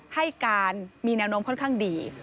ให้การมีแนวโน้มค่อนข้างดี